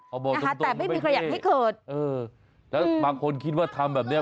เอาบอกตรงมันไม่เท่ห์เออแล้วบางคนคิดว่าทำแบบนี้